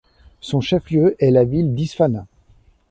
Son chef-lieu est la ville d'Isfana.